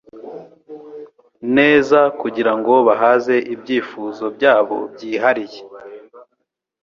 neza kugira ngo bahaze ibyifuzo byabo byihariye.